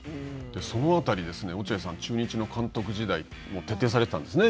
その辺り、落合さん、中日の監督時代、徹底されてたんですね。